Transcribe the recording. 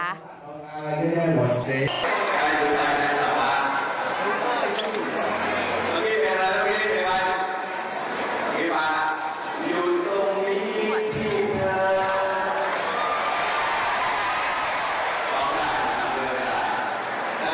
เหลือพี่ไตเว้ยพี่พาอยู่ตรงนี้ค่ะ